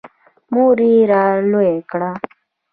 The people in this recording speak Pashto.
• مور یې را لوی کړ.